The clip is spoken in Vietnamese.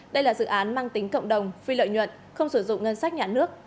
đây là dự án mang tính cộng đồng phi lợi nhuận không sử dụng ngân sách nhà nước